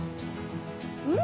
うん！